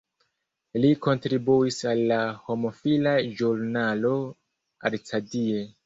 Li kontribuis al la homofila ĵurnalo "Arcadie".